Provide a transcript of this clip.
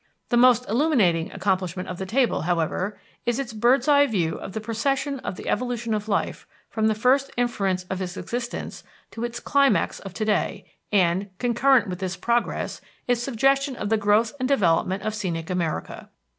The most illuminating accomplishment of the table, however, is its bird's eye view of the procession of the evolution of life from the first inference of its existence to its climax of to day; and, concurrent with this progress, its suggestion of the growth and development of scenic America.